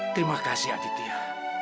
terima kasih aditya